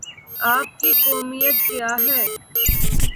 آپ کی قومیت کیا ہے؟